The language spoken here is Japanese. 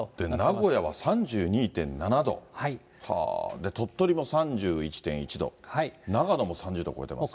名古屋は３２．７度、鳥取も３１．１度、長野も３０度を超えてますね。